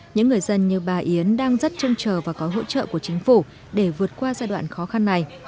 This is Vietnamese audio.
những người dân như bà yến đang rất trông chờ và có hỗ trợ của chính phủ để vượt qua giai đoạn khó khăn này